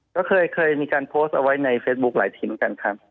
ก็เคยมีการโพสต์เอาไว้ในเฟซบุ๊คหลายทีมเหมือนกันครับ